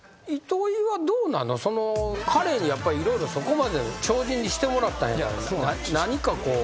彼に色々そこまで超人にしてもらったんやから何かこう。